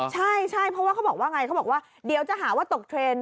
ใช่ใช่เพราะว่าเขาบอกว่าไงเขาบอกว่าเดี๋ยวจะหาว่าตกเทรนด์